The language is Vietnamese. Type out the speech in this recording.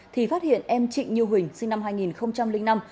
thì phát hiện em trịnh như huỳnh sinh năm hai nghìn năm